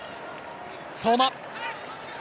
相馬。